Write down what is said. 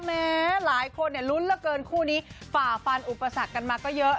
แม้หลายคนลุ้นเหลือเกินคู่นี้ฝ่าฟันอุปสรรคกันมาก็เยอะ